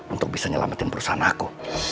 untuk bisa nyelamatin perusahaan aku